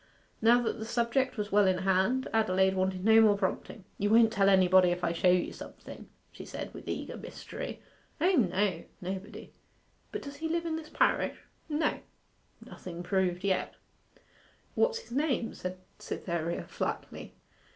Now that the subject was well in hand, Adelaide wanted no more prompting. 'You won't tell anybody if I show you something?' she said, with eager mystery. 'O no, nobody. But does he live in this parish?' 'No.' Nothing proved yet. 'What's his name?' said Cytherea flatly.